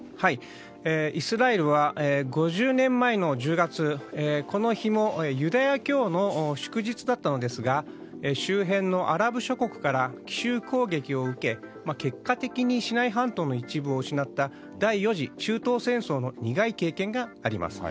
イスラエルは５０年前の１０月この日もユダヤ教の祝日だったのですが周辺のアラブ諸国から奇襲攻撃を受けて結果的にシナイ半島の一部を失った第４次中東戦争の苦い経験があります。